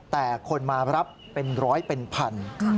แต่คนมารับเป็นร้อยเป็นพัน